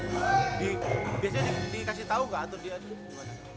biasanya dikasih tahu gak